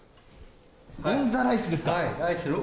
オン・ザ・ライスですか。